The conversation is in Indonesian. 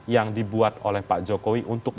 yang dibuat oleh pak jokowi untuk